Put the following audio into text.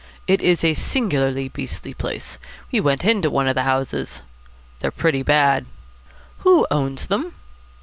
"It is a singularly beastly place. We went into one of the houses." "They're pretty bad." "Who owns them?"